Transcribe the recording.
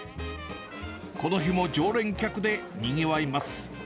この日も常連客でにぎわいます。